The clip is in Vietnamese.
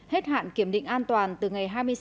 hết hạn kiểm định an toàn từ ngày hai mươi sáu tháng sáu